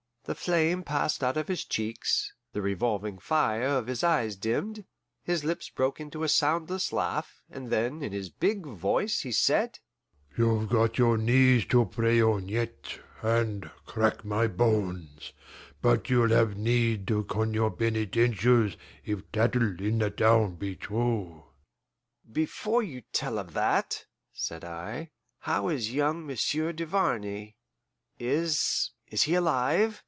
The flame passed out of his cheeks, the revolving fire of his eyes dimmed, his lips broke into a soundless laugh, and then, in his big voice, he said: "You've got your knees to pray on yet, and crack my bones, but you'll have need to con your penitentials if tattle in the town be true." "Before you tell of that," said I, "how is young Monsieur Duvarney? Is is he alive?"